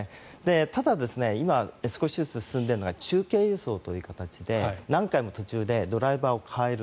ただ、今少しずつ進んでいるのが中継輸送という形で何回も途中でドライバーを変える。